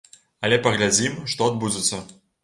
Але паглядзім, што адбудзецца.